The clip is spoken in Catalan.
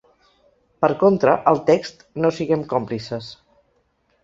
Per contra, el text No siguem còmplices.